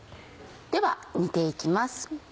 では煮て行きます。